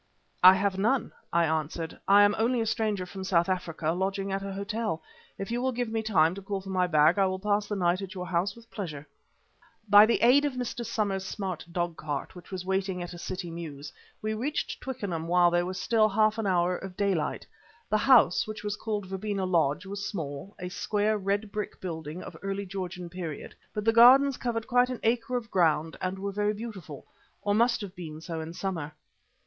"I have none," I answered. "I am only a stranger from South Africa lodging at an hotel. If you will give me time to call for my bag, I will pass the night at your house with pleasure." By the aid of Mr. Somers' smart dog cart, which was waiting at a city mews, we reached Twickenham while there was still half an hour of daylight. The house, which was called Verbena Lodge, was small, a square, red brick building of the early Georgian period, but the gardens covered quite an acre of ground and were very beautiful, or must have been so in summer.